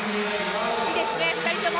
いいですね、２人とも。